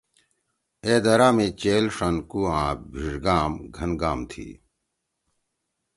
اے درہ می چیل، ݜنکُو آں بیݜگام گھن گام تُھو۔